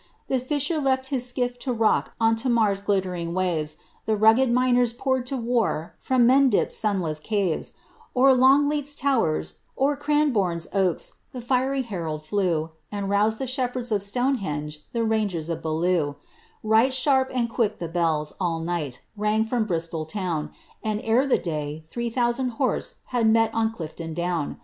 rba fisher left bis skiff to rock on Tamer's glittering waves, rhe nigged miners pour'd to war from Mendip's sunless eaves ; Tw Loogleat's towers, o'er Cranbourn's oaks, the fiery herald flew, ind roused the shepherds of Stonehenge, the rangers of Beaulieu ; Ught sharp and quick the bells, all night, rang out from Bristol town, iadf ere the day, three thousand horse had met on Clifton down.